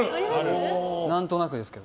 何となくですけど。